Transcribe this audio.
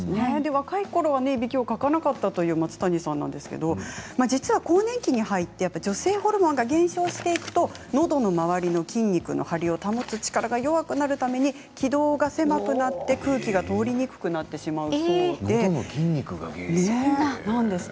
若いころはいびきをかかなかった松谷さんですけれど更年期になって女性ホルモンが減少するとのどの周りの筋肉の張りを保つ力が弱くなって気道が狭くなって空気が通りにくくなってしまうということなんです。